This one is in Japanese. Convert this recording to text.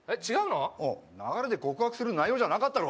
流れで告白する内容じゃなかっただろ？